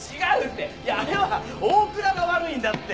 あれは大倉が悪いんだって。